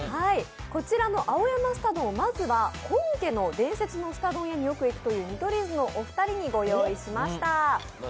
こちらの青山すた丼、まずは本家の伝説のすた丼屋によく行くという見取り図のお二人にご用意しました。